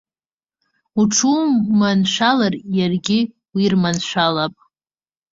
Уҽурманшәалар, иаргьы уирманшәалап.